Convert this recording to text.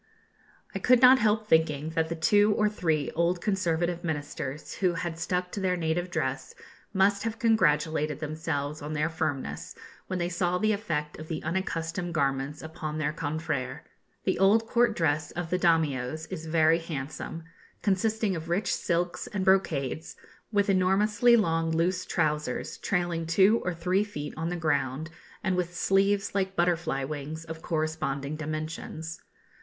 I could not help thinking that the two or three old conservative Ministers who had stuck to their native dress must have congratulated themselves on their firmness, when they saw the effect of the unaccustomed garments upon their confrères. The old court dress of the Daimios is very handsome, consisting of rich silks and brocades, with enormously long loose trousers trailing two or three feet on the ground, and with sleeves, like butterfly wings, of corresponding dimensions.